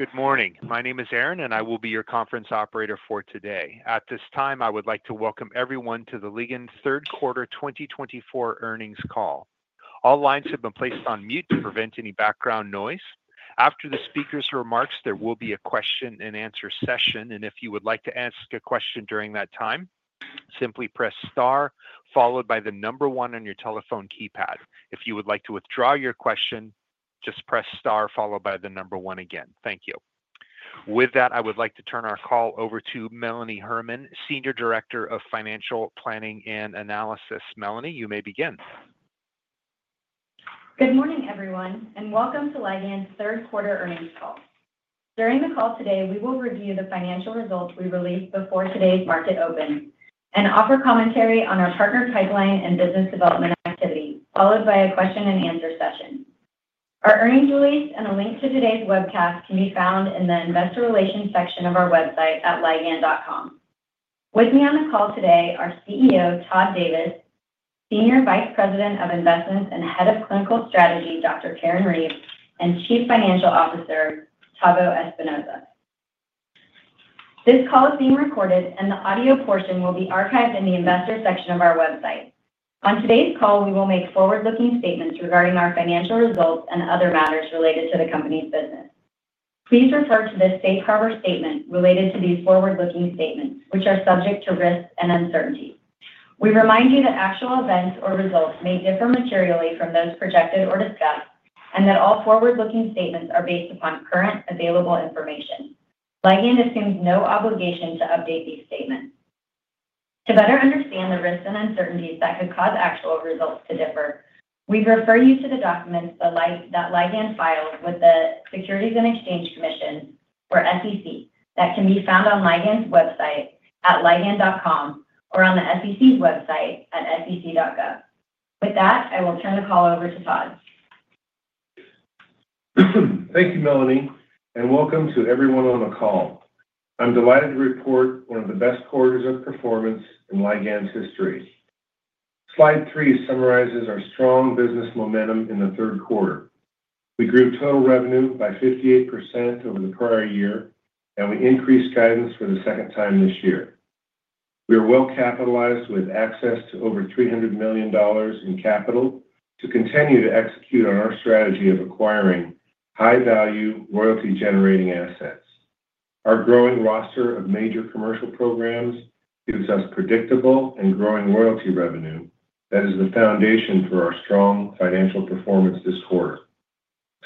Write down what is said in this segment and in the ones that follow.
Good morning. My name is Aaron, and I will be your conference operator for today. At this time, I would like to welcome everyone to the Ligand third quarter 2024 earnings call. All lines have been placed on mute to prevent any background noise. After the speaker's remarks, there will be a question-and-answer session, and if you would like to ask a question during that time, simply press star, followed by the number one on your telephone keypad. If you would like to withdraw your question, just press star, followed by the number one again. Thank you. With that, I would like to turn our call over to Melanie Herman, Senior Director of Financial Planning and Analysis. Melanie, you may begin. Good morning, everyone, and welcome to Ligand's Third Quarter earnings call. During the call today, we will review the financial results we released before today's market opens and offer commentary on our partner pipeline and business development activities, followed by a question-and-answer session. Our earnings release and a link to today's webcast can be found in the Investor Relations section of our website at ligand.com. With me on the call today are CEO Todd Davis, Senior Vice President of Investments and Head of Clinical Strategy, Dr. Karen Reeves, and Chief Financial Officer, Tavo Espinoza. This call is being recorded, and the audio portion will be archived in the Investor section of our website. On today's call, we will make forward-looking statements regarding our financial results and other matters related to the company's business. Please refer to the safe harbor statement related to these forward-looking statements, which are subject to risks and uncertainties. We remind you that actual events or results may differ materially from those projected or discussed, and that all forward-looking statements are based upon current available information. Ligand assumes no obligation to update these statements. To better understand the risks and uncertainties that could cause actual results to differ, we refer you to the documents that Ligand filed with the Securities and Exchange Commission, or SEC, that can be found on Ligand's website at ligand.com or on the SEC's website at sec.gov. With that, I will turn the call over to Todd. Thank you, Melanie, and welcome to everyone on the call. I'm delighted to report one of the best quarters of performance in Ligand's history. Slide three summarizes our strong business momentum in the third quarter. We grew total revenue by 58% over the prior year, and we increased guidance for the second time this year. We are well capitalized with access to over $300 million in capital to continue to execute on our strategy of acquiring high-value, royalty-generating assets. Our growing roster of major commercial programs gives us predictable and growing royalty revenue that is the foundation for our strong financial performance this quarter.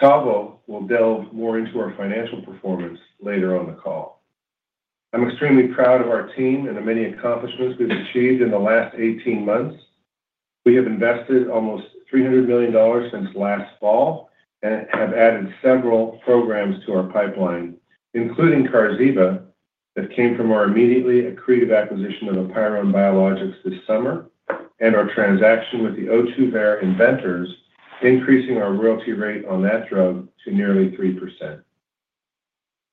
Tavo will delve more into our financial performance later on the call. I'm extremely proud of our team and the many accomplishments we've achieved in the last 18 months. We have invested almost $300 million since last fall and have added several programs to our pipeline, including Qarziba that came from our immediately accretive acquisition of Apeiron Biologics this summer and our transaction with Verona Pharma, increasing our royalty rate on that drug to nearly 3%.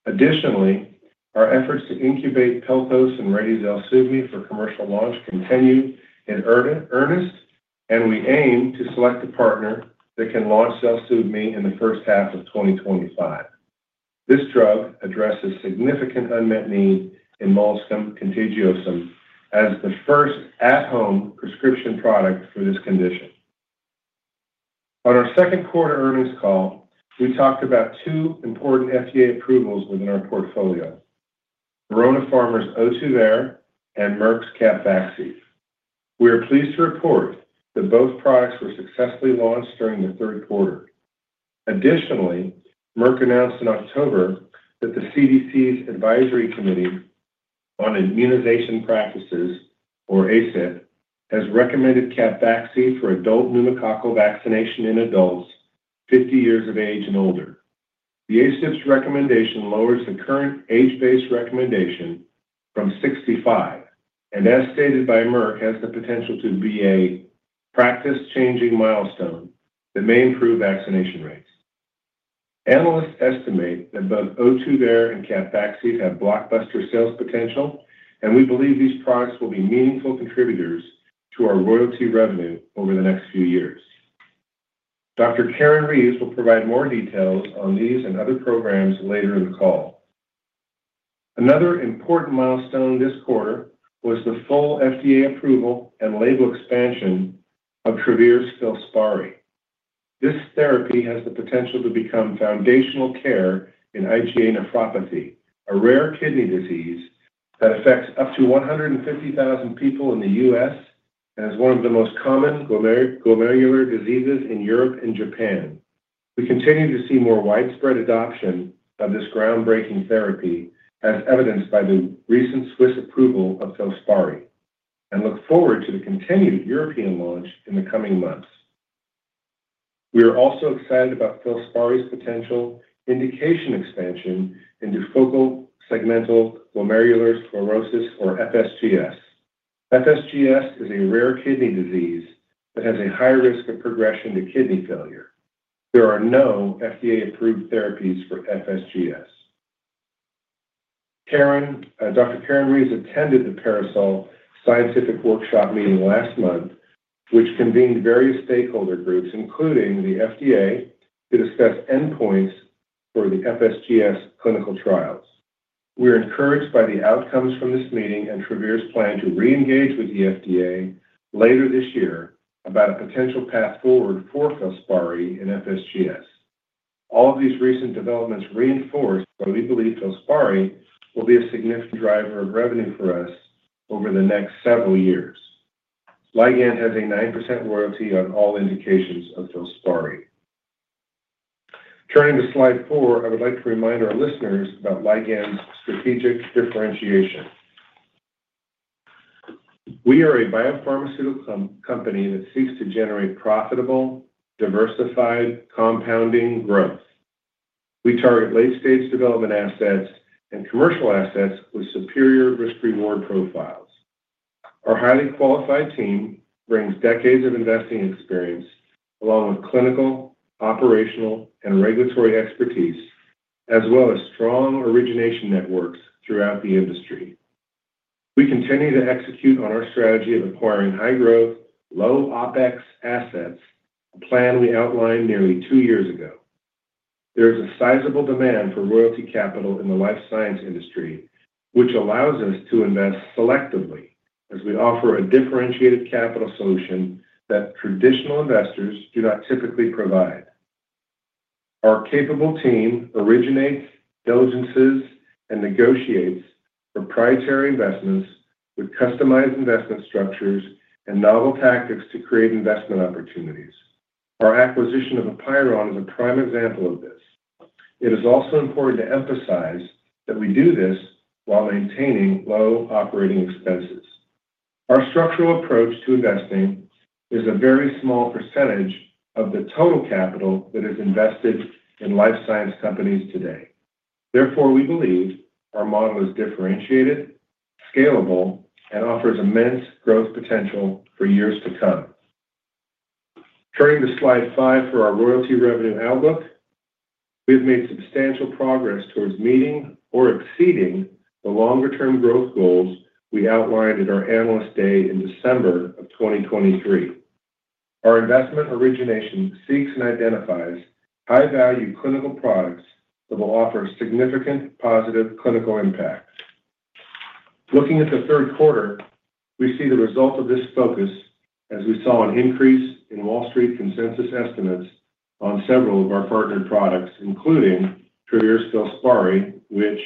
Additionally, our efforts to incubate Pelthos and Zelsuvmi for commercial launch continue in earnest, and we aim to select a partner that can launch Zelsuvmi in the first half of 2025. This drug addresses significant unmet need in molluscum contagiosum as the first at-home prescription product for this condition. On our second quarter earnings call, we talked about two important FDA approvals within our portfolio: Verona Pharma's Ohtuvayre and Merck's Capvaxive. We are pleased to report that both products were successfully launched during the third quarter. Additionally, Merck announced in October that the CDC's Advisory Committee on Immunization Practices, or ACIP, has recommended Capvaxive for adult pneumococcal vaccination in adults 50 years of age and older. The ACIP's recommendation lowers the current age-based recommendation from 65, and as stated by Merck, has the potential to be a practice-changing milestone that may improve vaccination rates. Analysts estimate that both Ohtuvayre and Capvaxive have blockbuster sales potential, and we believe these products will be meaningful contributors to our royalty revenue over the next few years. Dr. Karen Reeves will provide more details on these and other programs later in the call. Another important milestone this quarter was the full FDA approval and label expansion of Travere Filspari. This therapy has the potential to become foundational care in IgA nephropathy, a rare kidney disease that affects up to 150,000 people in the U.S. and is one of the most common glomerular diseases in Europe and Japan. We continue to see more widespread adoption of this groundbreaking therapy, as evidenced by the recent Swiss approval of Filspari, and look forward to the continued European launch in the coming months. We are also excited about Filspari's potential indication expansion into focal segmental glomerular sclerosis, or FSGS. FSGS is a rare kidney disease that has a high risk of progression to kidney failure. There are no FDA-approved therapies for FSGS. Dr. Karen Reeves attended the PARASOL scientific workshop meeting last month, which convened various stakeholder groups, including the FDA, to discuss endpoints for the FSGS clinical trials. We are encouraged by the outcomes from this meeting and Travere's plan to re-engage with the FDA later this year about a potential path forward for Filspari and FSGS. All of these recent developments reinforce what we believe Filspari will be a significant driver of revenue for us over the next several years. Ligand has a 9% royalty on all indications of Filspari. Turning to slide four, I would like to remind our listeners about Ligand's strategic differentiation. We are a biopharmaceutical company that seeks to generate profitable, diversified, compounding growth. We target late-stage development assets and commercial assets with superior risk-reward profiles. Our highly qualified team brings decades of investing experience along with clinical, operational, and regulatory expertise, as well as strong origination networks throughout the industry. We continue to execute on our strategy of acquiring high-growth, low-OpEx assets, a plan we outlined nearly two years ago. There is a sizable demand for royalty capital in the life science industry, which allows us to invest selectively as we offer a differentiated capital solution that traditional investors do not typically provide. Our capable team originates, diligences, and negotiates proprietary investments with customized investment structures and novel tactics to create investment opportunities. Our acquisition of Apeiron is a prime example of this. It is also important to emphasize that we do this while maintaining low operating expenses. Our structural approach to investing is a very small percentage of the total capital that is invested in life science companies today. Therefore, we believe our model is differentiated, scalable, and offers immense growth potential for years to come. Turning to slide five for our royalty revenue outlook, we have made substantial progress towards meeting or exceeding the longer-term growth goals we outlined at our analyst day in December of 2023. Our investment origination seeks and identifies high-value clinical products that will offer significant positive clinical impact. Looking at the third quarter, we see the result of this focus, as we saw an increase in Wall Street consensus estimates on several of our partnered products, including Travere Filspari, which,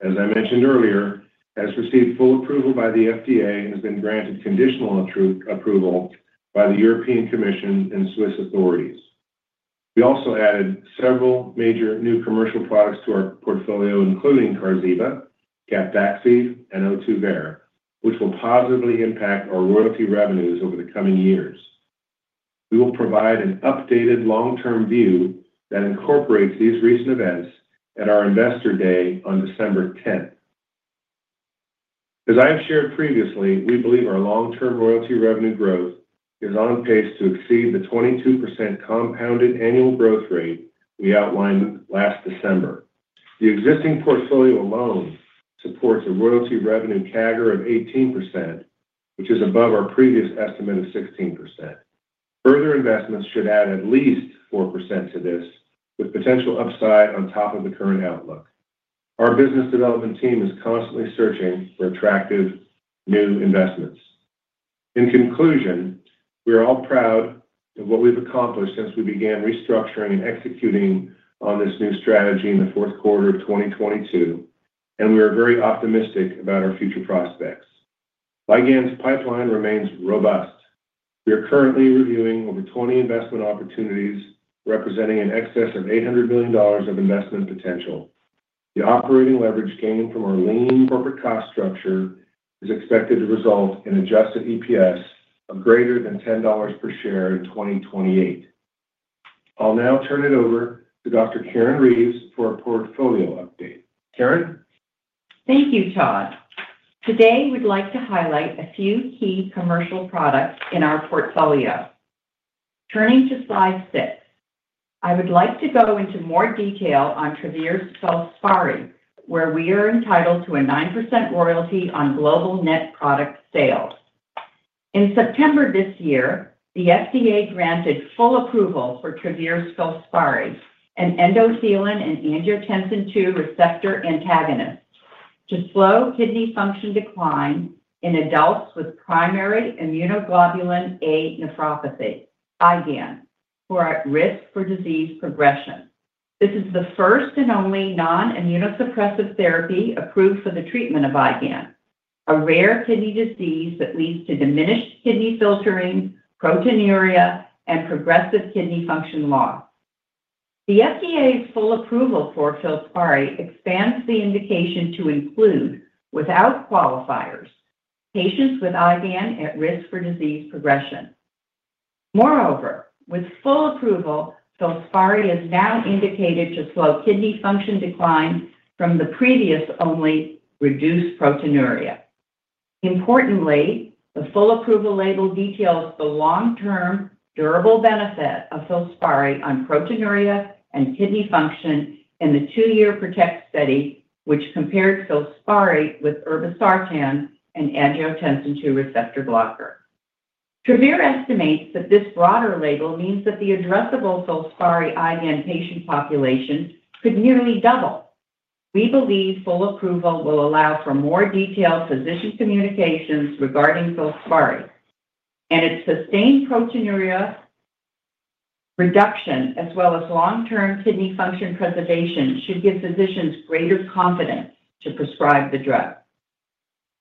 as I mentioned earlier, has received full approval by the FDA and has been granted conditional approval by the European Commission and Swiss authorities. We also added several major new commercial products to our portfolio, including Qarziba, Capvaxive, and Ohtuvayre, which will positively impact our royalty revenues over the coming years. We will provide an updated long-term view that incorporates these recent events at our investor day on December 10th. As I have shared previously, we believe our long-term royalty revenue growth is on pace to exceed the 22% compounded annual growth rate we outlined last December. The existing portfolio alone supports a royalty revenue CAGR of 18%, which is above our previous estimate of 16%. Further investments should add at least 4% to this, with potential upside on top of the current outlook. Our business development team is constantly searching for attractive new investments. In conclusion, we are all proud of what we've accomplished since we began restructuring and executing on this new strategy in the fourth quarter of 2022, and we are very optimistic about our future prospects. Ligand's pipeline remains robust. We are currently reviewing over 20 investment opportunities representing an excess of $800 million of investment potential. The operating leverage gained from our lean corporate cost structure is expected to result in adjusted EPS of greater than $10 per share in 2028. I'll now turn it over to Dr. Karen Reeves for a portfolio update. Karen? Thank you, Todd. Today, we'd like to highlight a few key commercial products in our portfolio. Turning to slide six, I would like to go into more detail on Travere Filspari, where we are entitled to a 9% royalty on global net product sales. In September this year, the FDA granted full approval for Travere Filspari, an endothelin and angiotensin II receptor antagonist, to slow kidney function decline in adults with primary immunoglobulin A nephropathy, IgAN, who are at risk for disease progression. This is the first and only non-immunosuppressive therapy approved for the treatment of IgAN, a rare kidney disease that leads to diminished kidney filtering, proteinuria, and progressive kidney function loss. The FDA's full approval for Filspari expands the indication to include, without qualifiers, patients with IgAN at risk for disease progression. Moreover, with full approval, Filspari is now indicated to slow kidney function decline from the previously only reduced proteinuria. Importantly, the full approval label details the long-term durable benefit of Filspari on proteinuria and kidney function in the two-year PROTECT study, which compared Filspari with irbesartan and angiotensin II receptor blocker. Travere estimates that this broader label means that the addressable Filspari IgAN patient population could nearly double. We believe full approval will allow for more detailed physician communications regarding Filspari, and its sustained proteinuria reduction, as well as long-term kidney function preservation, should give physicians greater confidence to prescribe the drug.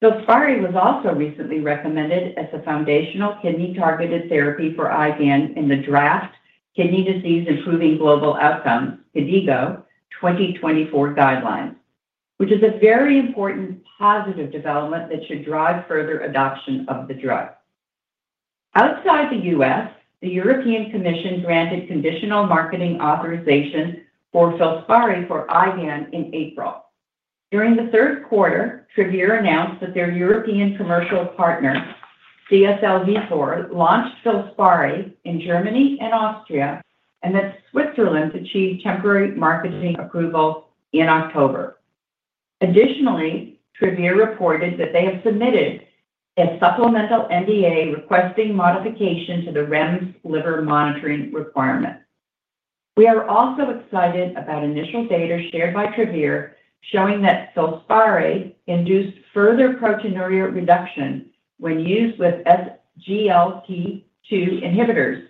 Filspari was also recently recommended as a foundational kidney-targeted therapy for IgAN in the draft Kidney Disease Improving Global Outcomes, KDIGO 2024 guidelines, which is a very important positive development that should drive further adoption of the drug. Outside the US, the European Commission granted conditional marketing authorization for Filspari for IgAN in April. During the third quarter, Travere announced that their European commercial partner, CSL Vifor, launched Filspari in Germany and Austria, and that Switzerland achieved temporary marketing approval in October. Additionally, Travere reported that they have submitted a supplemental NDA requesting modification to the REMS liver monitoring requirement. We are also excited about initial data shared by Travere showing that Filspari induced further proteinuria reduction when used with SGLT2 inhibitors,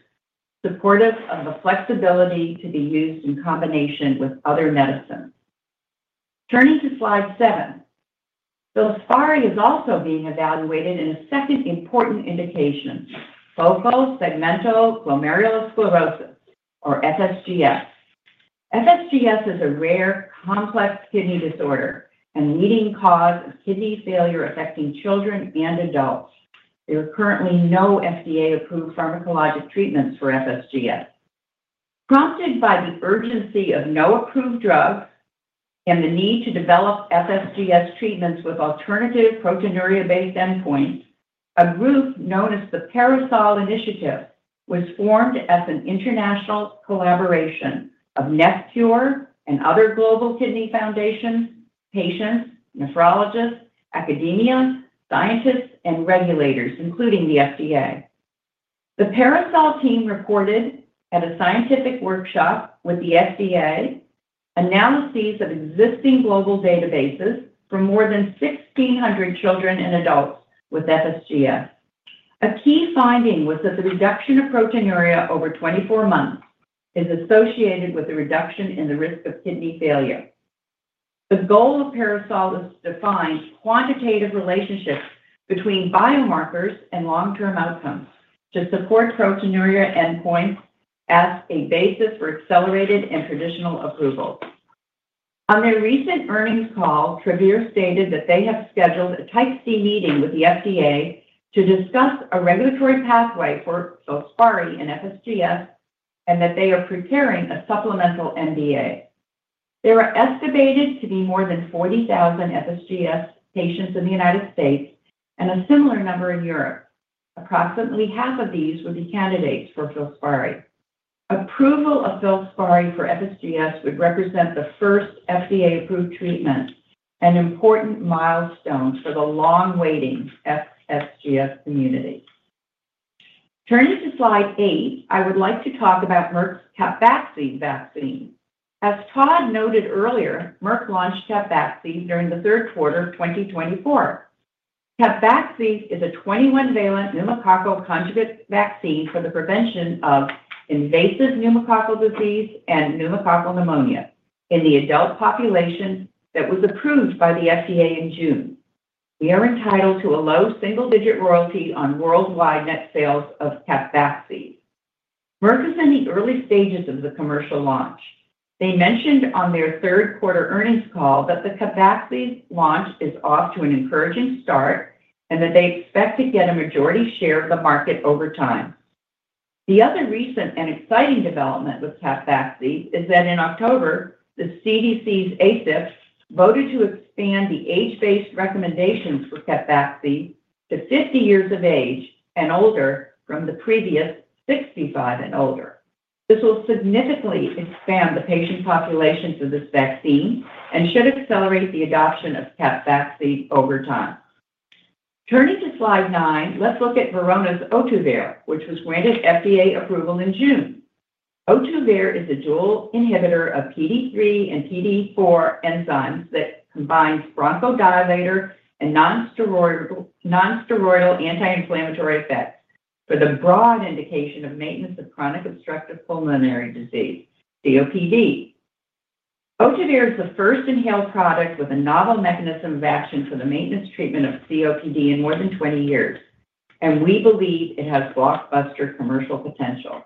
supportive of the flexibility to be used in combination with other medicines. Turning to slide seven, Filspari is also being evaluated in a second important indication, focal segmental glomerular sclerosis, or FSGS. FSGS is a rare, complex kidney disorder and leading cause of kidney failure affecting children and adults. There are currently no FDA-approved pharmacologic treatments for FSGS. Prompted by the urgency of no approved drugs and the need to develop FSGS treatments with alternative proteinuria-based endpoints, a group known as the PARASOL Initiative was formed as an international collaboration of NephCure and other global kidney foundations, patients, nephrologists, academia, scientists, and regulators, including the FDA. The PARASOL team reported at a scientific workshop with the FDA analyses of existing global databases from more than 1,600 children and adults with FSGS. A key finding was that the reduction of proteinuria over 24 months is associated with a reduction in the risk of kidney failure. The goal of PARASOL is to define quantitative relationships between biomarkers and long-term outcomes to support proteinuria endpoints as a basis for accelerated and traditional approvals. On their recent earnings call, Travere stated that they have scheduled a Type C meeting with the FDA to discuss a regulatory pathway for Filspari and FSGS and that they are preparing a supplemental NDA. There are estimated to be more than 40,000 FSGS patients in the United States and a similar number in Europe. Approximately half of these would be candidates for Filspari. Approval of Filspari for FSGS would represent the first FDA-approved treatment and important milestone for the long-waiting FSGS community. Turning to slide eight, I would like to talk about Merck's Capvaxive vaccine. As Todd noted earlier, Merck launched Capvaxive during the third quarter of 2024. Capvaxive is a 21-valent pneumococcal conjugate vaccine for the prevention of invasive pneumococcal disease and pneumococcal pneumonia in the adult population that was approved by the FDA in June. We are entitled to a low single-digit royalty on worldwide net sales of Capvaxive. Merck is in the early stages of the commercial launch. They mentioned on their third quarter earnings call that the Capvaxive launch is off to an encouraging start and that they expect to get a majority share of the market over time. The other recent and exciting development with Capvaxive is that in October, the CDC's ACIP voted to expand the age-based recommendations for Capvaxive to 50 years of age and older from the previous 65 and older. This will significantly expand the patient population for this vaccine and should accelerate the adoption of Capvaxive over time. Turning to slide nine, let's look at Verona's Ohtuvayre, which was granted FDA approval in June. Ohtuvayre is a dual inhibitor of PDE3 and PDE4 enzymes that combines bronchodilator and nonsteroidal anti-inflammatory effects for the broad indication of maintenance of chronic obstructive pulmonary disease, COPD. Ohtuvayre is the first inhaled product with a novel mechanism of action for the maintenance treatment of COPD in more than 20 years, and we believe it has blockbuster commercial potential.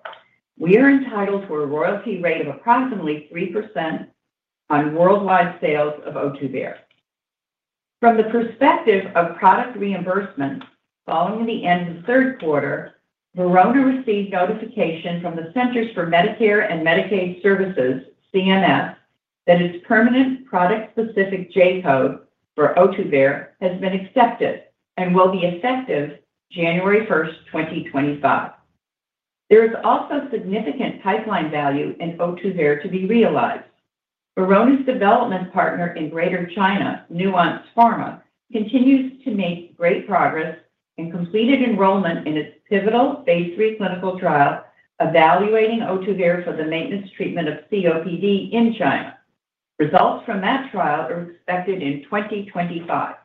We are entitled to a royalty rate of approximately 3% on worldwide sales of Ohtuvayre. From the perspective of product reimbursement, following the end of the third quarter, Verona received notification from the Centers for Medicare and Medicaid Services, CMS, that its permanent product-specific J-code for Ohtuvayre has been accepted and will be effective January 1st, 2025. There is also significant pipeline value in Ohtuvayre to be realized. Verona's development partner in Greater China, Nuance Pharma, continues to make great progress and completed enrollment in its pivotal Phase 3 clinical trial evaluating Ohtuvayre for the maintenance treatment of COPD in China. Results from that trial are expected in 2025.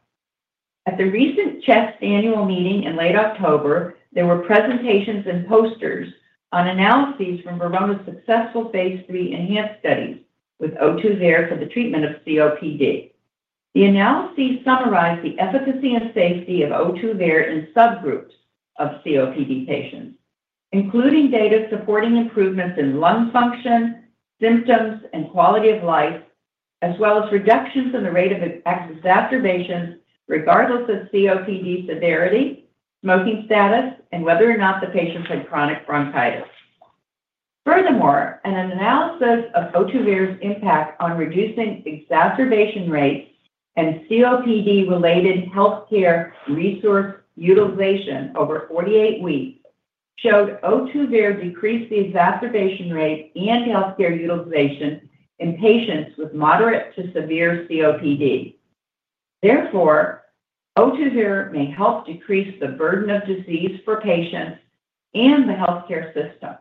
At the recent CHEST annual meeting in late October, there were presentations and posters on analyses from Verona's successful Phase 3 enhanced studies with Ohtuvayre for the treatment of COPD. The analyses summarized the efficacy and safety of Ohtuvayre in subgroups of COPD patients, including data supporting improvements in lung function, symptoms, and quality of life, as well as reductions in the rate of exacerbations regardless of COPD severity, smoking status, and whether or not the patients had chronic bronchitis. Furthermore, an analysis of Ohtuvayre's impact on reducing exacerbation rates and COPD-related healthcare resource utilization over 48 weeks showed Ohtuvayre decreased the exacerbation rate and healthcare utilization in patients with moderate to severe COPD. Therefore, Ohtuvayre may help decrease the burden of disease for patients and the healthcare system,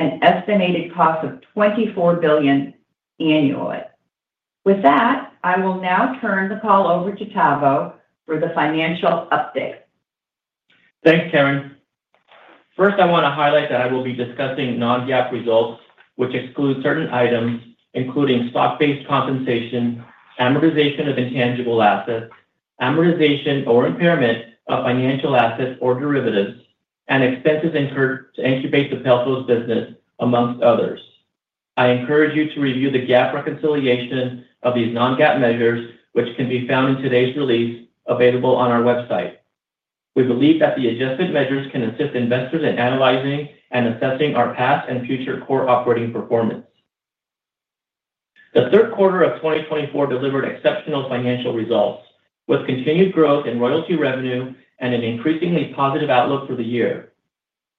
an estimated cost of $24 billion annually. With that, I will now turn the call over to Tavo for the financial update. Thanks, Karen. First, I want to highlight that I will be discussing non-GAAP results, which exclude certain items, including stock-based compensation, amortization of intangible assets, amortization or impairment of financial assets or derivatives, and expenses incurred to incubate the Pelthos business, among others. I encourage you to review the GAAP reconciliation of these non-GAAP measures, which can be found in today's release, available on our website. We believe that the adjusted measures can assist investors in analyzing and assessing our past and future core operating performance. The third quarter of 2024 delivered exceptional financial results, with continued growth in royalty revenue and an increasingly positive outlook for the year.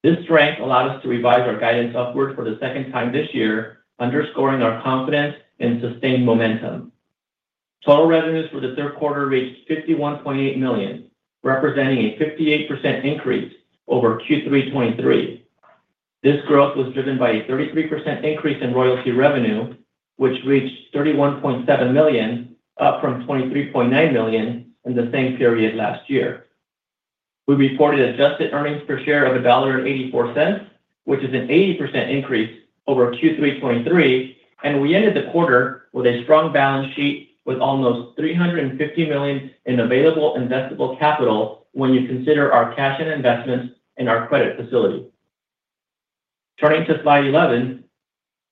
This strength allowed us to revise our guidance upward for the second time this year, underscoring our confidence in sustained momentum. Total revenues for the third quarter reached $51.8 million, representing a 58% increase over Q3 2023. This growth was driven by a 33% increase in royalty revenue, which reached $31.7 million, up from $23.9 million in the same period last year. We reported adjusted earnings per share of $1.84, which is an 80% increase over Q3 2023, and we ended the quarter with a strong balance sheet with almost $350 million in available investable capital when you consider our cash-in investments and our credit facility. Turning to slide 11,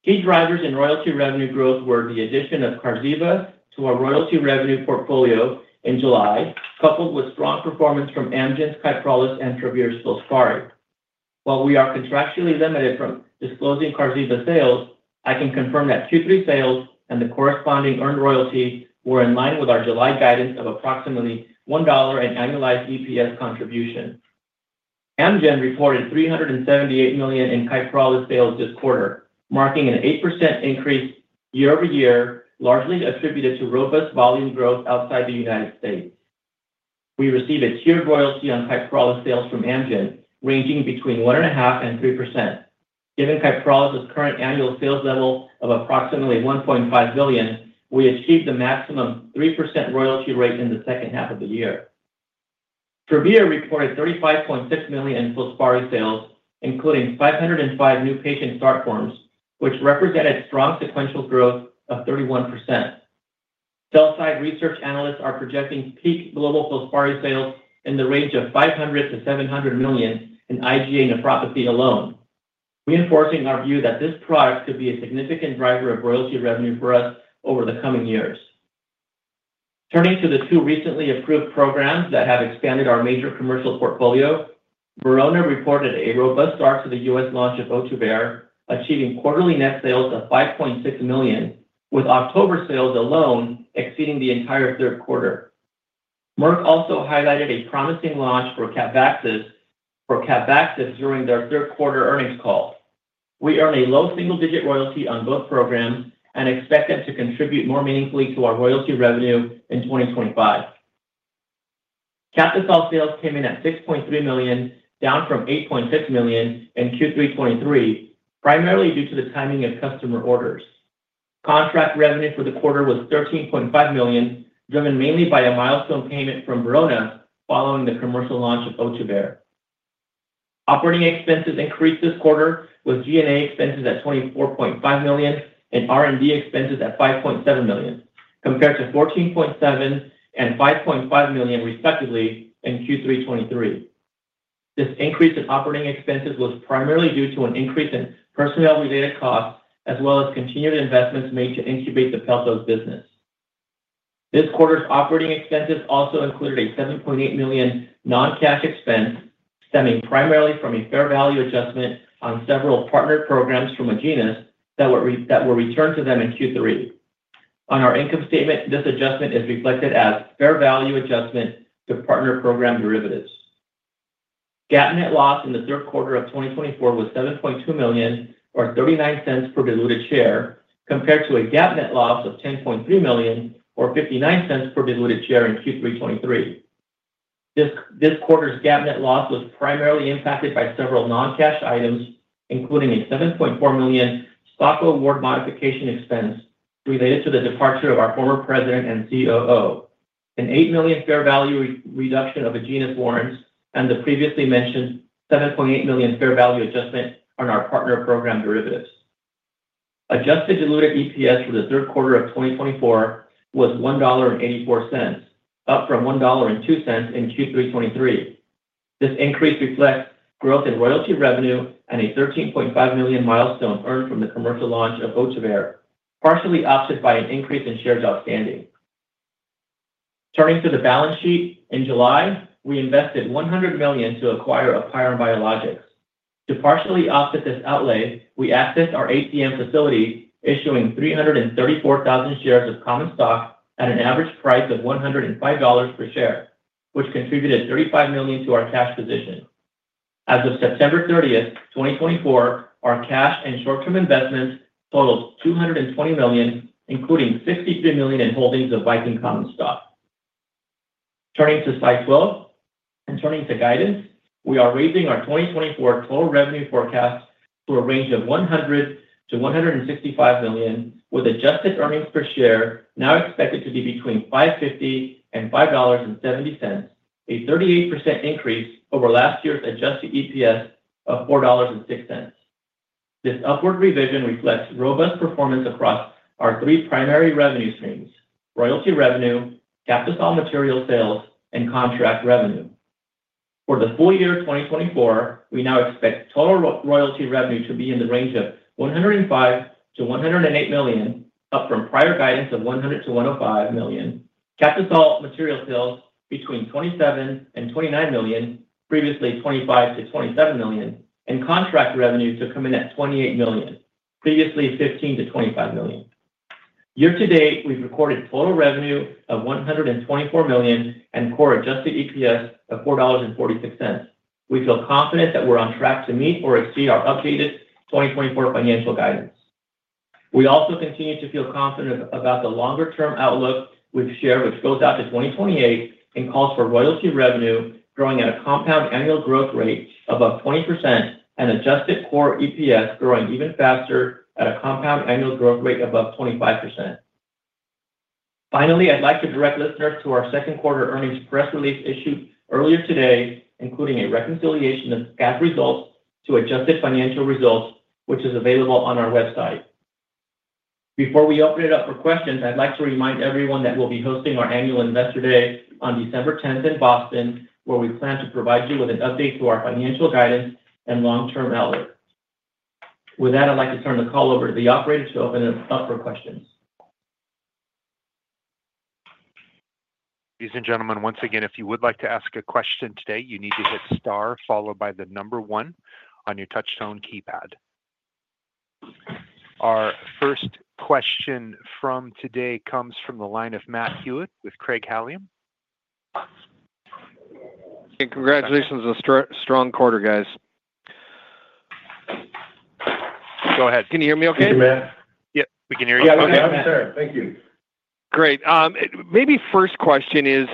key drivers in royalty revenue growth were the addition of Qarziba to our royalty revenue portfolio in July, coupled with strong performance from Amgen's Kyprolis, and Travere Filspari. While we are contractually limited from disclosing Qarziba sales, I can confirm that Q3 sales and the corresponding earned royalty were in line with our July guidance of approximately $1 an annualized EPS contribution. Amgen reported $378 million in Kyprolis sales this quarter, marking an 8% increase year-over-year, largely attributed to robust volume growth outside the United States. We received a tiered royalty on Kyprolis sales from Amgen, ranging between 1.5% and 3%. Given Kyprolis' current annual sales level of approximately $1.5 billion, we achieved the maximum 3% royalty rate in the second half of the year. Travere reported $35.6 million in Filspari sales, including 505 new patient start forms, which represented strong sequential growth of 31%. Sell-side research analysts are projecting peak global Filspari sales in the range of $500-$700 million in IgA nephropathy alone, reinforcing our view that this product could be a significant driver of royalty revenue for us over the coming years. Turning to the two recently approved programs that have expanded our major commercial portfolio, Verona reported a robust start to the U.S. launch of Ohtuvayre, achieving quarterly net sales of $5.6 million, with October sales alone exceeding the entire third quarter. Merck also highlighted a promising launch for Capvaxive during their third quarter earnings call. We earned a low single-digit royalty on both programs and expect them to contribute more meaningfully to our royalty revenue in 2025. Captisol sales came in at $6.3 million, down from $8.6 million in Q3 2023, primarily due to the timing of customer orders. Contract revenue for the quarter was $13.5 million, driven mainly by a milestone payment from Verona following the commercial launch of Ohtuvayre. Operating expenses increased this quarter, with G&A expenses at $24.5 million and R&D expenses at $5.7 million, compared to $14.7 and $5.5 million, respectively, in Q3 2023. This increase in operating expenses was primarily due to an increase in personnel-related costs, as well as continued investments made to incubate the Pelthos business. This quarter's operating expenses also included a $7.8 million non-cash expense, stemming primarily from a fair value adjustment on several partner programs from Agenus that were returned to them in Q3. On our income statement, this adjustment is reflected as fair value adjustment to partner program derivatives. GAAP net loss in the third quarter of 2024 was $7.2 million, or $0.39 per diluted share, compared to a GAAP net loss of $10.3 million, or $0.59 per diluted share in Q3 2023. This quarter's GAAP net loss was primarily impacted by several non-cash items, including a $7.4 million stock award modification expense related to the departure of our former president and COO, an $8 million fair value reduction of Agenus warrants, and the previously mentioned $7.8 million fair value adjustment on our partner program derivatives. Adjusted diluted EPS for the third quarter of 2024 was $1.84, up from $1.02 in Q3 2023. This increase reflects growth in royalty revenue and a $13.5 million milestone earned from the commercial launch of Ohtuvayre, partially offset by an increase in shares outstanding. Turning to the balance sheet, in July, we invested $100 million to acquire Apeiron Biologics. To partially offset this outlay, we accessed our ATM facility, issuing 334,000 shares of common stock at an average price of $105 per share, which contributed $35 million to our cash position. As of September 30, 2024, our cash and short-term investments totaled $220 million, including $63 million in holdings of Viking Common Stock. Turning to slide 12 and turning to guidance, we are raising our 2024 total revenue forecast to a range of $100-$165 million, with adjusted earnings per share now expected to be between $5.50 and $5.70, a 38% increase over last year's adjusted EPS of $4.06. This upward revision reflects robust performance across our three primary revenue streams: royalty revenue, Captisol material sales, and contract revenue. For the full year 2024, we now expect total royalty revenue to be in the range of $105-$108 million, up from prior guidance of $100-$105 million, Captisol material sales between $27 and $29 million, previously $25 million-$27 million, and contract revenue to come in at $28 million, previously $15 million-$25 million. Year to date, we've recorded total revenue of $124 million and core adjusted EPS of $4.46. We feel confident that we're on track to meet or exceed our updated 2024 financial guidance. We also continue to feel confident about the longer-term outlook we've shared, which goes out to 2028 and calls for royalty revenue growing at a compound annual growth rate above 20% and adjusted core EPS growing even faster at a compound annual growth rate above 25%. Finally, I'd like to direct listeners to our second quarter earnings press release issued earlier today, including a reconciliation of GAAP results to adjusted financial results, which is available on our website. Before we open it up for questions, I'd like to remind everyone that we'll be hosting our annual Investor Day on December 10 in Boston, where we plan to provide you with an update to our financial guidance and long-term outlook. With that, I'd like to turn the call over to the operator to open it up for questions. Ladies and gentlemen, once again, if you would like to ask a question today, you need to hit star followed by the number one on your touch-tone keypad. Our first question from today comes from the line of Matt Hewitt with Craig-Hallum. Congratulations on a strong quarter, guys. Go ahead. Can you hear me okay? Yeah, we can hear you. Yeah, I'm there. Thank you. Great. Maybe first question is,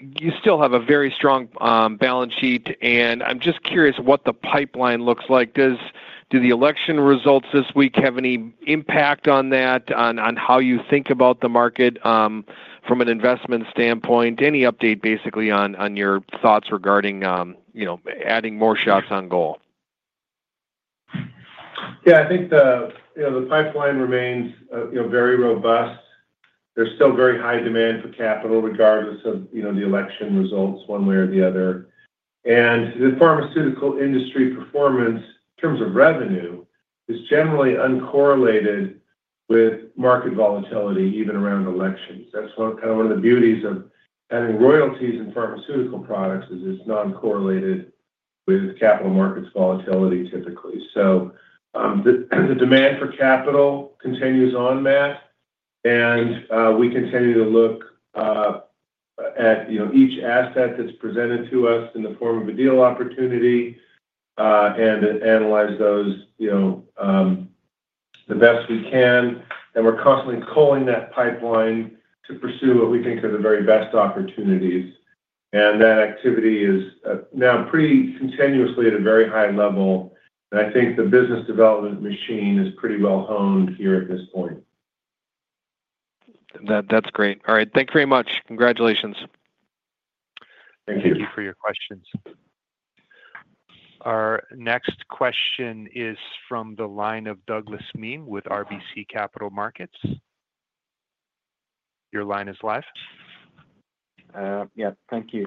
you still have a very strong balance sheet, and I'm just curious what the pipeline looks like. Do the election results this week have any impact on that, on how you think about the market from an investment standpoint? Any update, basically, on your thoughts regarding adding more shots on goal? Yeah, I think the pipeline remains very robust. There's still very high demand for capital, regardless of the election results, one way or the other. And the pharmaceutical industry performance, in terms of revenue, is generally uncorrelated with market volatility, even around elections. That's kind of one of the beauties of having royalties in pharmaceutical products is it's non-correlated with capital markets volatility, typically. So the demand for capital continues on, Matt, and we continue to look at each asset that's presented to us in the form of a deal opportunity and analyze those the best we can. And we're constantly culling that pipeline to pursue what we think are the very best opportunities. And that activity is now pretty continuously at a very high level. And I think the business development machine is pretty well honed here at this point. That's great. All right. Thank you very much. Congratulations. Thank you. Thank you for your questions. Our next question is from the line of Douglas Miehm with RBC Capital Markets. Your line is live. Yeah, thank you.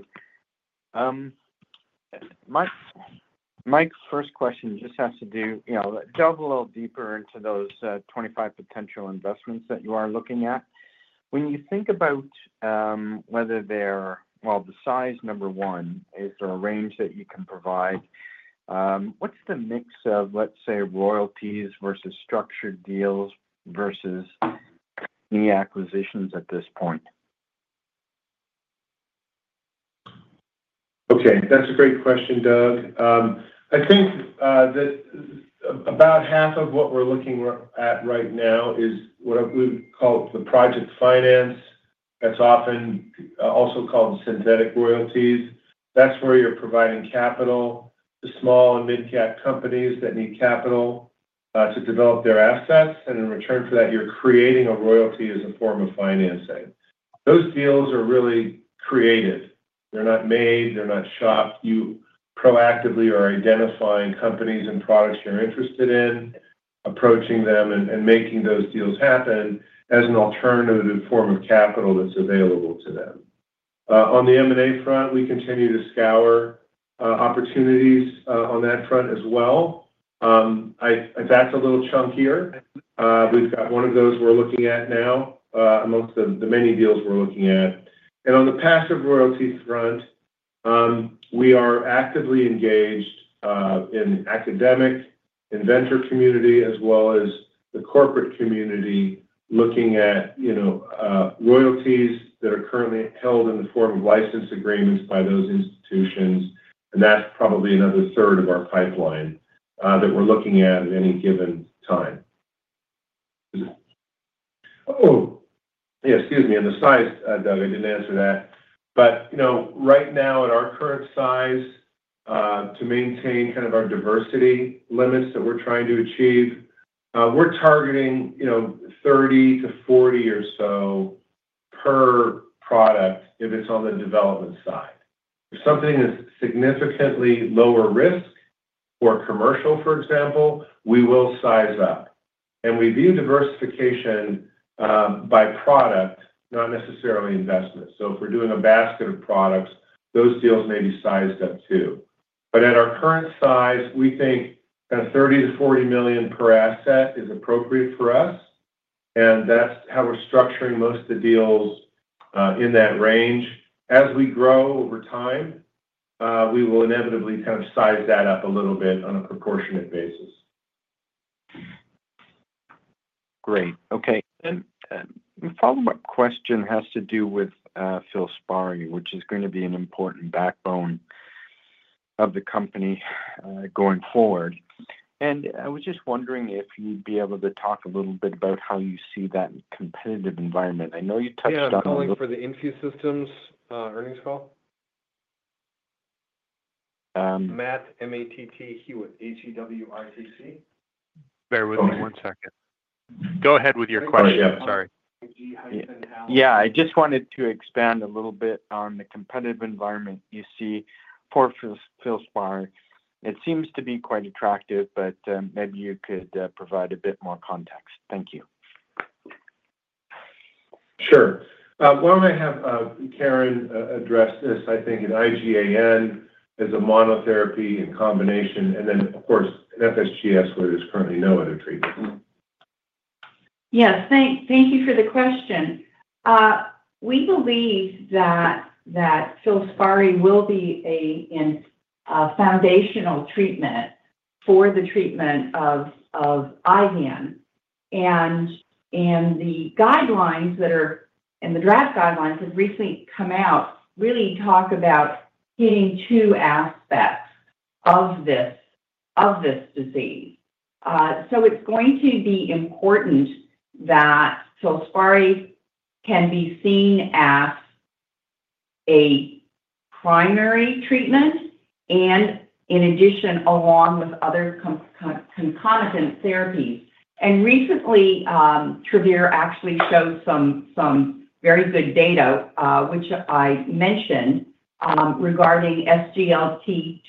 My first question just has to do, you know, delve a little deeper into those 25 potential investments that you are looking at. When you think about whether they're, well, the size, number one, is there a range that you can provide? What's the mix of, let's say, royalties versus structured deals versus new acquisitions at this point? Okay. That's a great question, Doug. I think that about half of what we're looking at right now is what we call the project finance. That's often also called synthetic royalties. That's where you're providing capital to small and mid-cap companies that need capital to develop their assets. And in return for that, you're creating a royalty as a form of financing. Those deals are really creative. They're not made. They're not shopped. You proactively are identifying companies and products you're interested in, approaching them, and making those deals happen as an alternative form of capital that's available to them. On the M&A front, we continue to scour opportunities on that front as well. That's a little chunkier. We've got one of those we're looking at now amongst the many deals we're looking at. On the passive royalty front, we are actively engaged in the academic inventor community, as well as the corporate community, looking at royalties that are currently held in the form of license agreements by those institutions. That's probably another third of our pipeline that we're looking at any given time. Oh, yeah, excuse me. The size, Doug, I didn't answer that. But right now, at our current size, to maintain kind of our diversity limits that we're trying to achieve, we're targeting 30-40 or so per product if it's on the development side. If something is significantly lower risk or commercial, for example, we will size up. We view diversification by product, not necessarily investment. So if we're doing a basket of products, those deals may be sized up too. But at our current size, we think kind of $30 million-$40 million per asset is appropriate for us. And that's how we're structuring most of the deals in that range. As we grow over time, we will inevitably kind of size that up a little bit on a proportionate basis. Great. Okay. And the follow-up question has to do with Filspari, which is going to be an important backbone of the company going forward. And I was just wondering if you'd be able to talk a little bit about how you see that in a competitive environment. I know you touched on. Yeah, I'm calling for the Ligand Pharmaceuticals earnings call. Matt, M-A-T-T, Hewitt, H-E-W-I-T-T. Bear with me one second. Go ahead with your question. Sorry. Yeah, I just wanted to expand a little bit on the competitive environment you see for Filspari. It seems to be quite attractive, but maybe you could provide a bit more context. Thank you. Sure. Why don't I have Karen address this? I think an IgAN is a monotherapy in combination, and then, of course, an FSGS, where there's currently no other treatment. Yes. Thank you for the question. We believe that Filspari will be a foundational treatment for the treatment of IgAN. And the guidelines that are in the draft guidelines have recently come out, really talk about hitting two aspects of this disease. So it's going to be important that Filspari can be seen as a primary treatment and, in addition, along with other concomitant therapies. And recently, Travere actually showed some very good data, which I mentioned, regarding SGLT2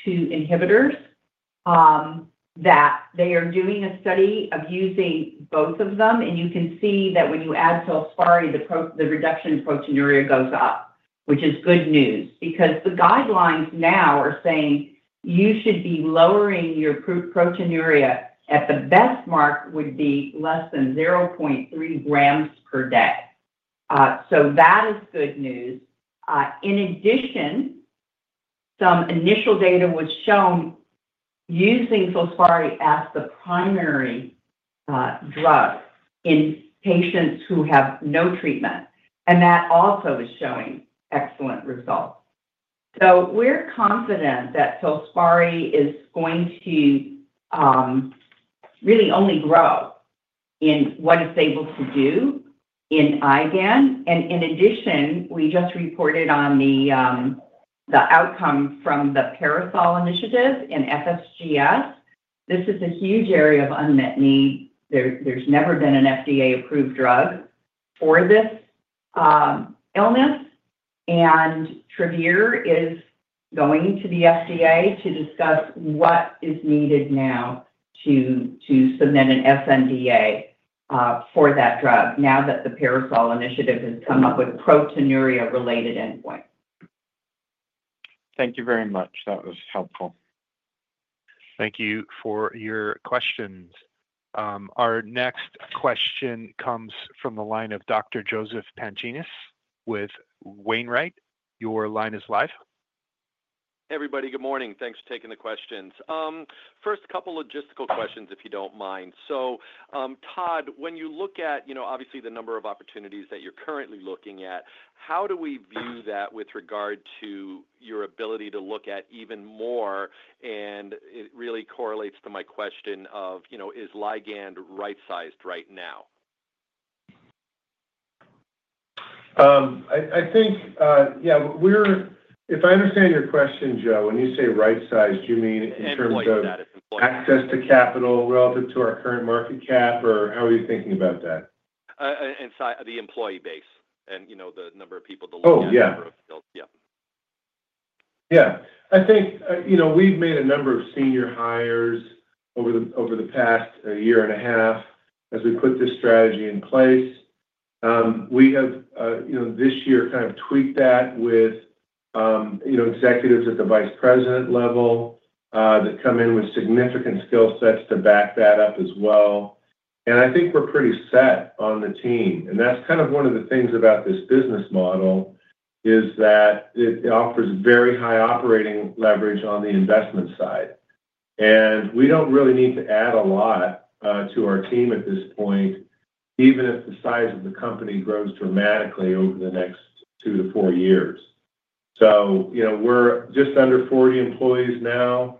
inhibitors, that they are doing a study of using both of them. And you can see that when you add Filspari, the reduction in proteinuria goes up, which is good news because the guidelines now are saying you should be lowering your proteinuria at the best mark would be less than 0.3 grams per day. So that is good news. In addition, some initial data was shown using Filspari as the primary drug in patients who have no treatment, and that also is showing excellent results, so we're confident that Filspari is going to really only grow in what it's able to do in IgAN, and in addition, we just reported on the outcome from the PARASOL initiative in FSGS. This is a huge area of unmet need. There's never been an FDA-approved drug for this illness, and Travere is going to the FDA to discuss what is needed now to submit an sNDA for that drug, now that the PARASOL initiative has come up with proteinuria-related endpoint. Thank you very much. That was helpful. Thank you for your questions. Our next question comes from the line of Dr. Joseph Pantginis with Wainwright. Your line is live. Everybody, good morning. Thanks for taking the questions. First, a couple of logistical questions, if you don't mind. So Todd, when you look at, obviously, the number of opportunities that you're currently looking at, how do we view that with regard to your ability to look at even more? And it really correlates to my question of, is Ligand right-sized right now? I think, yeah, if I understand your question, Joe, when you say right-sized, you mean in terms of access to capital relative to our current market cap, or how are you thinking about that? The employee base and the number of people delivering the number of skills. Yeah. Yeah. I think we've made a number of senior hires over the past year and a half as we put this strategy in place. We have, this year, kind of tweaked that with executives at the vice president level that come in with significant skill sets to back that up as well. And I think we're pretty set on the team. And that's kind of one of the things about this business model is that it offers very high operating leverage on the investment side. And we don't really need to add a lot to our team at this point, even if the size of the company grows dramatically over the next two to four years. So we're just under 40 employees now.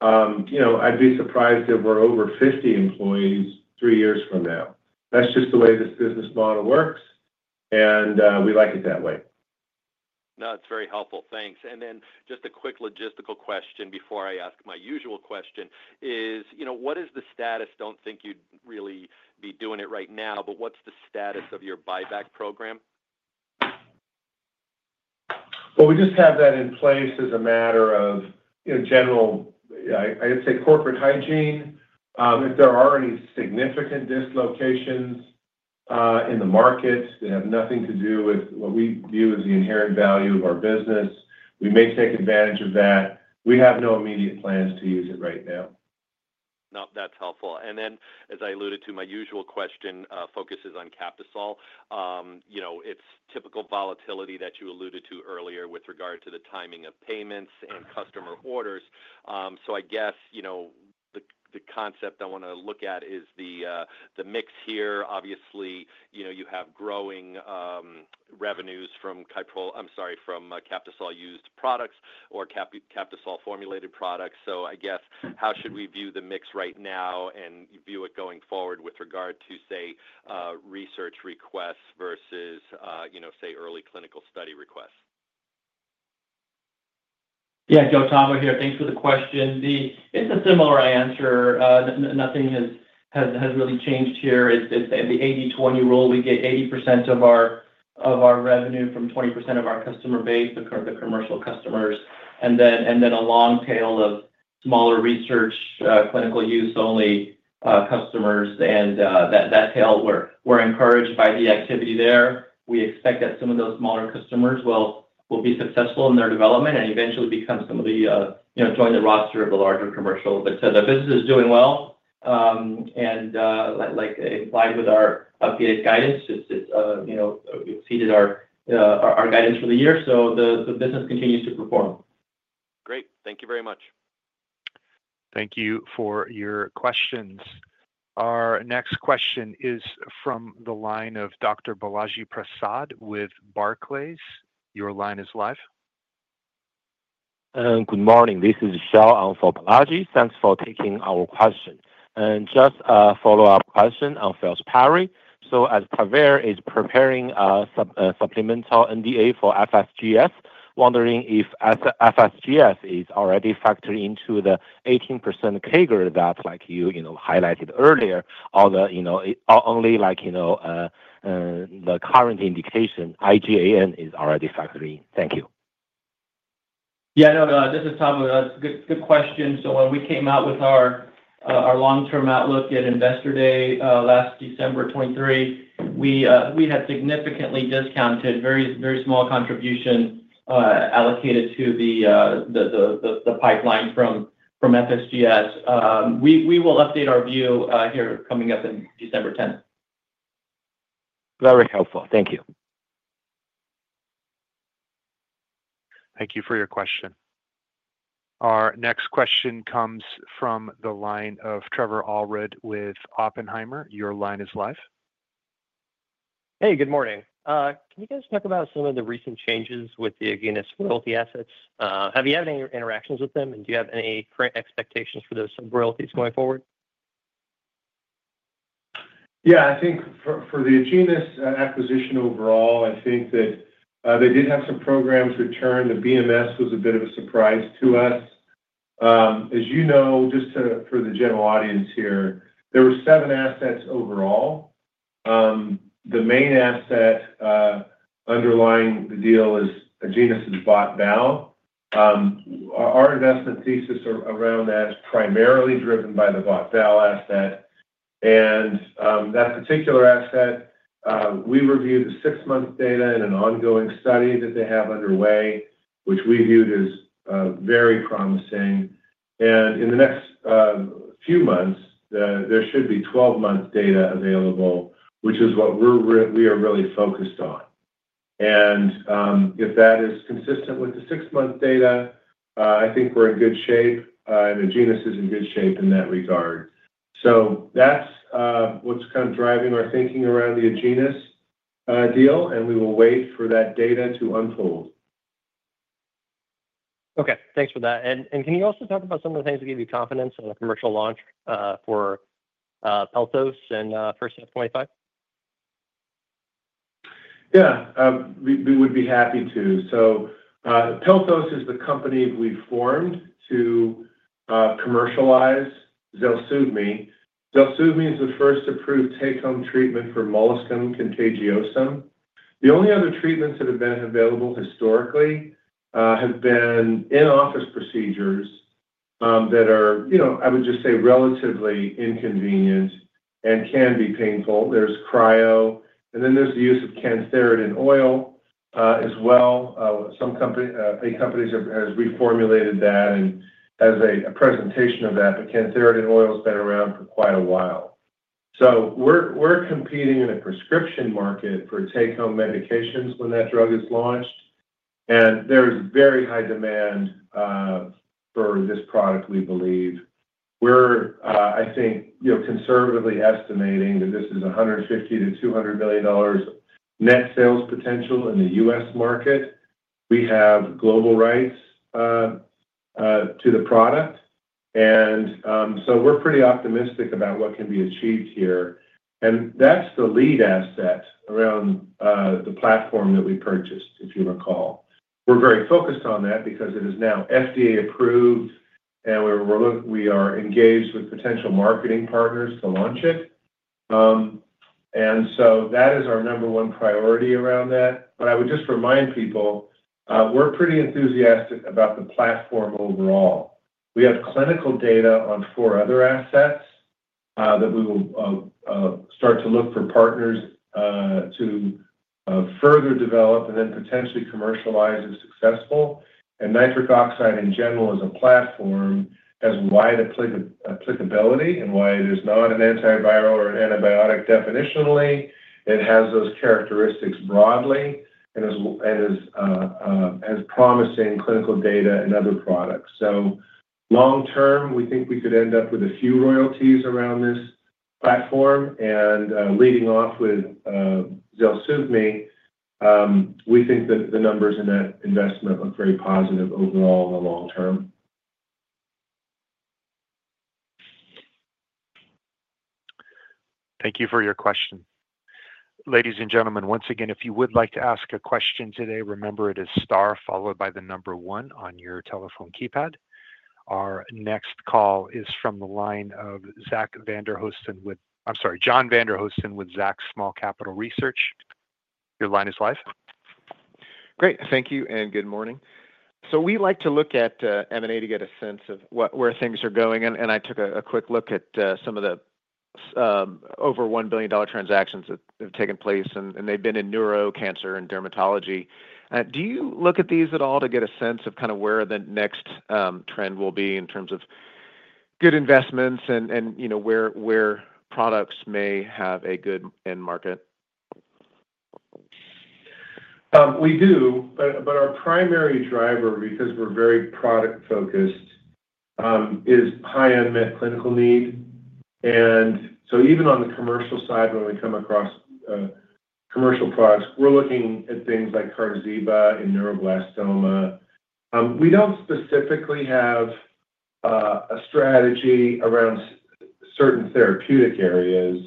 I'd be surprised if we're over 50 employees three years from now. That's just the way this business model works. And we like it that way. No, it's very helpful. Thanks. And then just a quick logistical question before I ask my usual question is, what is the status? Don't think you'd really be doing it right now, but what's the status of your buyback program? We just have that in place as a matter of general, I'd say, corporate hygiene. If there are any significant dislocations in the markets that have nothing to do with what we view as the inherent value of our business, we may take advantage of that. We have no immediate plans to use it right now. No, that's helpful. And then, as I alluded to, my usual question focuses on Captisol. It's typical volatility that you alluded to earlier with regard to the timing of payments and customer orders. So I guess the concept I want to look at is the mix here. Obviously, you have growing revenues from Captisol used products or Captisol formulated products. So I guess how should we view the mix right now and view it going forward with regard to, say, research requests versus, say, early clinical study requests? Yeah, it's Tavo here. Thanks for the question. It's a similar answer. Nothing has really changed here. It's the 80/20 rule. We get 80% of our revenue from 20% of our customer base, the commercial customers, and then a long tail of smaller research clinical use-only customers. And that tail, we're encouraged by the activity there. We expect that some of those smaller customers will be successful in their development and eventually become some of the join the roster of the larger commercial. But the business is doing well and, like implied with our FY guidance, it's exceeded our guidance for the year. So the business continues to perform. Great. Thank you very much. Thank you for your questions. Our next question is from the line of Dr. Balaji Prasad with Barclays. Your line is live. Good morning. This is Joel for Balaji. Thanks for taking our question, and just a follow-up question on Filspari. So, as Travere is preparing a supplemental NDA for FSGS, wondering if FSGS is already factored into the 18% CAGR that, like you highlighted earlier, or only like the current indication, IgAN is already factored in. Thank you. Yeah, no, this is Tavo. Good question. So when we came out with our long-term outlook at Investor Day last December 2023, we had significantly discounted very small contributions allocated to the pipeline from FSGS. We will update our view here coming up in December 10th. Very helpful. Thank you. Thank you for your question. Our next question comes from the line of Trevor Allred with Oppenheimer. Your line is live. Hey, good morning. Can you guys talk about some of the recent changes with the Agenus royalty assets? Have you had any interactions with them, and do you have any current expectations for those royalties going forward? Yeah, I think for the Agenus acquisition overall, I think that they did have some programs return. The BMS was a bit of a surprise to us. As you know, just for the general audience here, there were seven assets overall. The main asset underlying the deal is Agenus Bot/Bal. Our investment thesis around that is primarily driven by the Bot/Bal asset. And that particular asset, we reviewed the six-month data and an ongoing study that they have underway, which we viewed as very promising. And in the next few months, there should be 12-month data available, which is what we are really focused on. And if that is consistent with the six-month data, I think we're in good shape, and Agenus is in good shape in that regard. So that's what's kind of driving our thinking around the Agenus deal, and we will wait for that data to unfold. Okay. Thanks for that. And can you also talk about some of the things that give you confidence on a commercial launch for Pelthos and first step 25? Yeah, we would be happy to. So Pelthos is the company we formed to commercialize Zelsuvmi. Zelsuvmi is the first approved take-home treatment for molluscum contagiosum. The only other treatments that have been available historically have been in-office procedures that are, I would just say, relatively inconvenient and can be painful. There's cryo, and then there's the use of cantharidin oil as well. Some companies have reformulated that and have a presentation of that, but cantharidin oil has been around for quite a while. So we're competing in a prescription market for take-home medications when that drug is launched. And there is very high demand for this product, we believe. We're, I think, conservatively estimating that this is $150 million-$200 million net sales potential in the U.S. market. We have global rights to the product. And so we're pretty optimistic about what can be achieved here. And that's the lead asset around the platform that we purchased, if you recall. We're very focused on that because it is now FDA approved, and we are engaged with potential marketing partners to launch it. And so that is our number one priority around that. But I would just remind people, we're pretty enthusiastic about the platform overall. We have clinical data on four other assets that we will start to look for partners to further develop and then potentially commercialize if successful. And nitric oxide, in general, as a platform, has wide applicability and why it is not an antiviral or an antibiotic definitionally. It has those characteristics broadly and has promising clinical data and other products. So long term, we think we could end up with a few royalties around this platform. Leading off with Zelsuvmi, we think that the numbers in that investment look very positive overall in the long term. Thank you for your question. Ladies and gentlemen, once again, if you would like to ask a question today, remember it is star followed by the number one on your telephone keypad. Our next call is from the line of John Vandermosten with, I'm sorry, John Vandermosten with Zacks Small Cap Research. Your line is live. Great. Thank you and good morning, so we like to look at M&A to get a sense of where things are going. And I took a quick look at some of the over $1 billion transactions that have taken place, and they've been in neuro, cancer, and dermatology. Do you look at these at all to get a sense of kind of where the next trend will be in terms of good investments and where products may have a good end market? We do, but our primary driver, because we're very product-focused, is high unmet clinical need. And so even on the commercial side, when we come across commercial products, we're looking at things like Qarziba and neuroblastoma. We don't specifically have a strategy around certain therapeutic areas,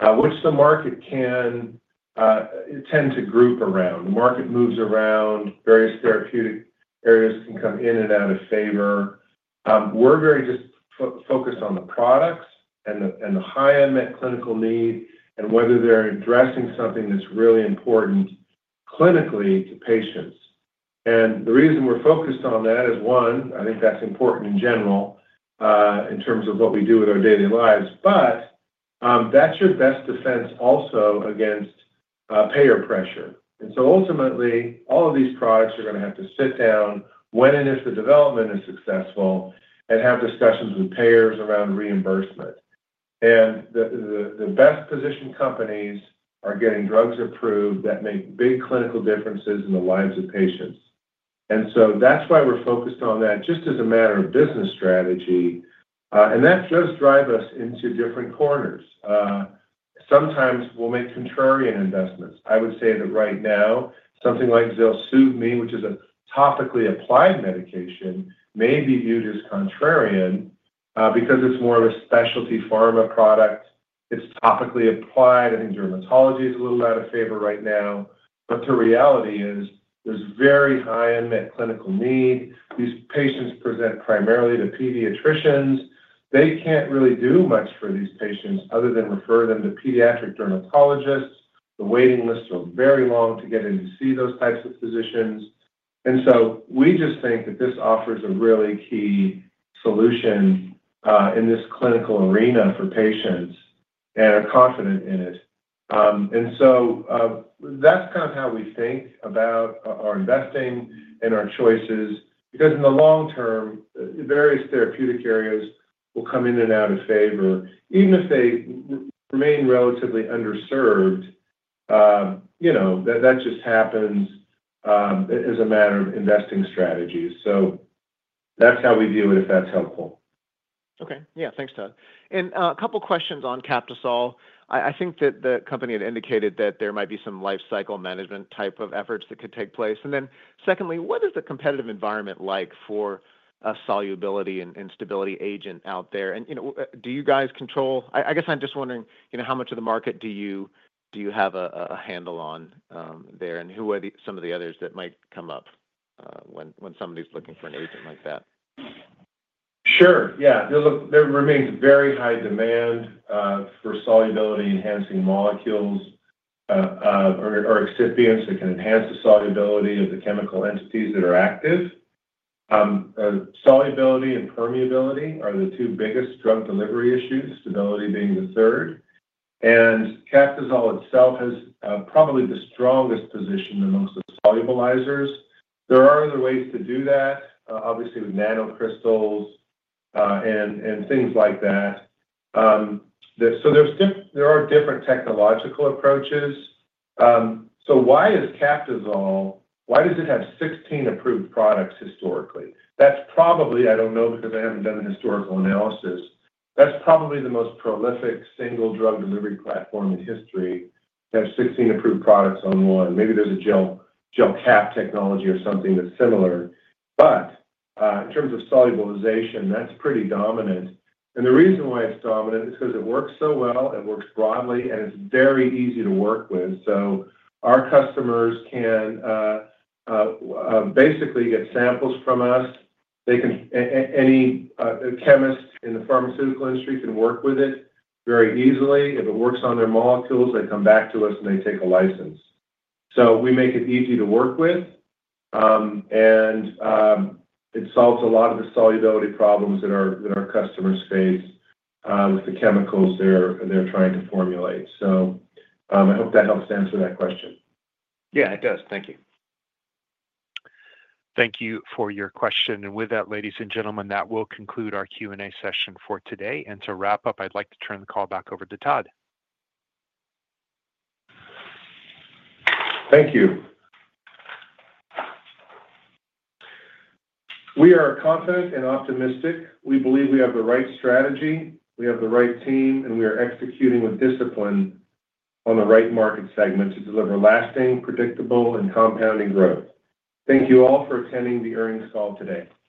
which the market can tend to group around. The market moves around. Various therapeutic areas can come in and out of favor. We're very just focused on the products and the high unmet clinical need and whether they're addressing something that's really important clinically to patients. And the reason we're focused on that is, one, I think that's important in general in terms of what we do with our daily lives, but that's your best defense also against payer pressure. Ultimately, all of these products are going to have to sit down when and if the development is successful and have discussions with payers around reimbursement. The best-positioned companies are getting drugs approved that make big clinical differences in the lives of patients. That's why we're focused on that just as a matter of business strategy. That does drive us into different corners. Sometimes we'll make contrarian investments. I would say that right now, something like Zelsuvmi, which is a topically applied medication, may be viewed as contrarian because it's more of a specialty pharma product. It's topically applied. I think dermatology is a little out of favor right now. But the reality is there's very high unmet clinical need. These patients present primarily to pediatricians. They can't really do much for these patients other than refer them to pediatric dermatologists. The waiting lists are very long to get in to see those types of physicians. And so we just think that this offers a really key solution in this clinical arena for patients and are confident in it. And so that's kind of how we think about our investing and our choices because in the long term, various therapeutic areas will come in and out of favor, even if they remain relatively underserved. That just happens as a matter of investing strategies. So that's how we view it if that's helpful. Okay. Yeah. Thanks, Todd. And a couple of questions on Captisol. I think that the company had indicated that there might be some life cycle management type of efforts that could take place. And then secondly, what is the competitive environment like for a solubility and stability agent out there? And do you guys control? I guess I'm just wondering how much of the market do you have a handle on there? And who are some of the others that might come up when somebody's looking for an agent like that? Sure. Yeah. There remains very high demand for solubility-enhancing molecules or excipients that can enhance the solubility of the chemical entities that are active. Solubility and permeability are the two biggest drug delivery issues, stability being the third. And Captisol itself has probably the strongest position amongst the solubilizers. There are other ways to do that, obviously, with nanocrystals and things like that. So there are different technological approaches. So why does Captisol have 16 approved products historically? I don't know because I haven't done the historical analysis. That's probably the most prolific single drug delivery platform in history to have 16 approved products on one. Maybe there's a gelcap technology or something that's similar. But in terms of solubilization, that's pretty dominant. And the reason why it's dominant is because it works so well. It works broadly, and it's very easy to work with. So our customers can basically get samples from us. Any chemist in the pharmaceutical industry can work with it very easily. If it works on their molecules, they come back to us and they take a license. So we make it easy to work with, and it solves a lot of the solubility problems that our customers face with the chemicals they're trying to formulate. So I hope that helps answer that question. Yeah, it does. Thank you. Thank you for your question. And with that, ladies and gentlemen, that will conclude our Q&A session for today. And to wrap up, I'd like to turn the call back over to Todd. Thank you. We are confident and optimistic. We believe we have the right strategy. We have the right team, and we are executing with discipline on the right market segment to deliver lasting, predictable, and compounding growth. Thank you all for attending the earnings call today.